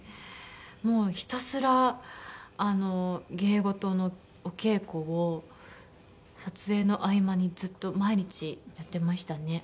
もうひたすら芸事のお稽古を撮影の合間にずっと毎日やってましたね。